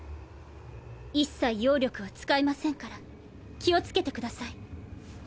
一切妖力は使えませんから気をつけてください。